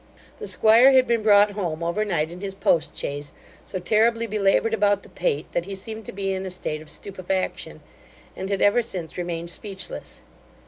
The 'squire had been brought home over night in his post chaise, so terribly belaboured about the pate, that he seemed to be in a state of stupefaction, and had ever since remained speechless.